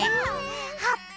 はっぱ！